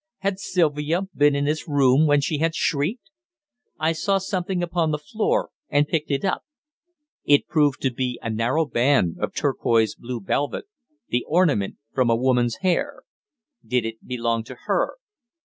Had Sylvia been in this room when she had shrieked? I saw something upon the floor, and picked it up. It proved to be a narrow band of turquoise blue velvet, the ornament from a woman's hair. Did it belong to her?